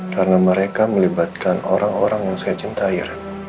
karena mereka melibatkan orang orang yang saya cintai